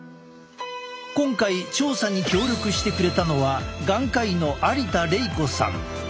今回調査に協力してくれたのは眼科医の有田玲子さん。